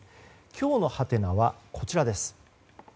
今日のハテナはこちらです。